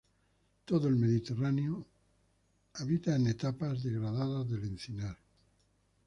Todo el Mediterráneo.Habita en etapas degradadas del encinar.